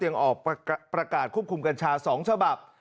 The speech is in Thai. ยังออกประกาศควบคุมกัญชา๒ฉบับ